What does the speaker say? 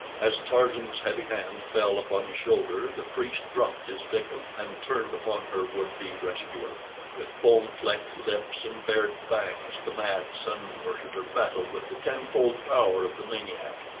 As Tarzan's heavy hand fell upon his shoulder the priest dropped his victim, and turned upon her would be rescuer. With foam flecked lips and bared fangs the mad sun worshiper battled with the tenfold power of the maniac.